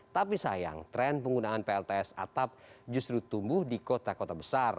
tapi sayang tren penggunaan plts atap justru tumbuh di kota kota besar